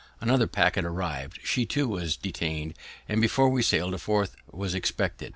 Another packet arriv'd; she too was detain'd; and, before we sail'd, a fourth was expected.